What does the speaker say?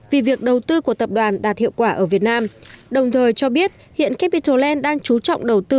vì việc đầu tư của tập đoàn đạt hiệu quả ở việt nam đồng thời cho biết hiện capital land đang trú trọng đầu tư